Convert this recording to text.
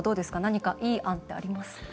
何かいい案ってありますか？